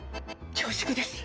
恐縮です。